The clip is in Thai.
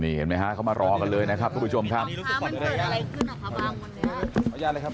เห็นไหมฮะเขามารอกันเลยนะครับทุกผู้ชมครับ